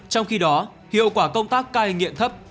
trong khi đó hiệu quả công tác cai nghiện thấp